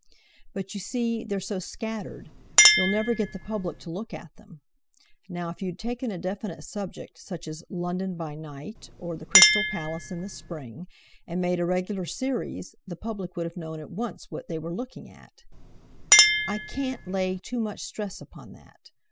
But, you see, they're so scattered; you'll never get the public to look at them. Now, if you'd taken a definite subject, such as 'London by Night,' or 'The Crystal Palace in the Spring,' and made a regular series, the public would have known at once what they were looking at. I can't lay too much stress upon that.